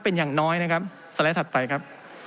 เป็นอย่างน้อยนะครับสไลด์ถัดไปครับ